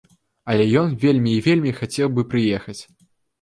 Але ён вельмі і вельмі хацеў бы прыехаць.